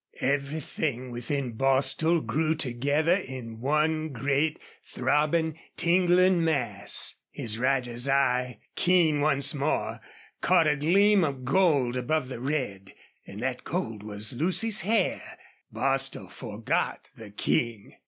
Everything within Bostil grew together in one great, throbbing, tingling mass. His rider's eye, keen once more, caught a gleam of gold above the red, and that gold was Lucy's hair. Bostil forgot the King.